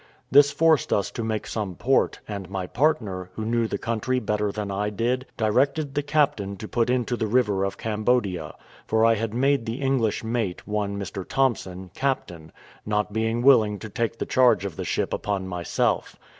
This forced us to make some port; and my partner, who knew the country better than I did, directed the captain to put into the river of Cambodia; for I had made the English mate, one Mr. Thompson, captain, not being willing to take the charge of the ship upon myself.